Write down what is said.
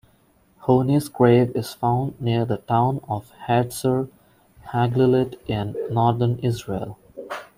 Honi's grave is found near the town of Hatzor HaGlilit in northern Israel.